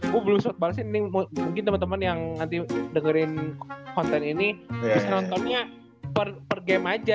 gue belum sempet balesin link mungkin temen temen yang nanti dengerin konten ini bisa nontonnya per game aja